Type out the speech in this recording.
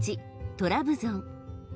トラブゾン